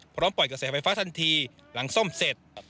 พร้อมปล่อยกับแสงไฟฟ้าทันทีหลังซ่อมเสร็จ